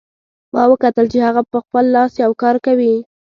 ما وکتل چې هغه په خپل لاس یو کار کوي